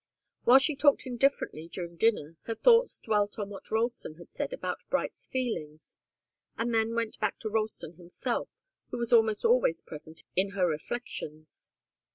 While she talked indifferently during dinner, her thoughts dwelt on what Ralston had said about Bright's feelings and then went back to Ralston himself, who was almost always present in her reflections.